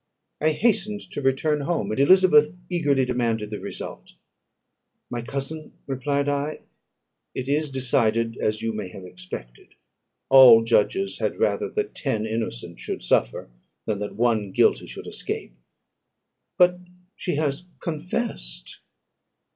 I hastened to return home, and Elizabeth eagerly demanded the result. "My cousin," replied I, "it is decided as you may have expected; all judges had rather that ten innocent should suffer, than that one guilty should escape. But she has confessed."